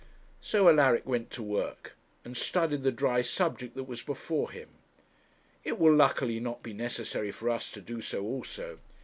So Alaric went to work, and studied the dry subject that was before him. It will luckily not be necessary for us to do so also.